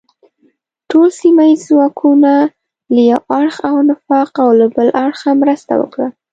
ټول سیمه ییز ځواکونه له یو اړخه او نفاق له بل اړخه مرسته وکړه.